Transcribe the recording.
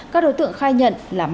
các đối tượng khai nhận là ma túy